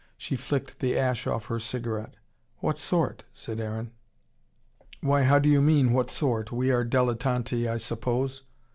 She flicked the ash off her cigarette. "What sort?" said Aaron. "Why, how do you mean, what sort? We are dilettanti, I suppose."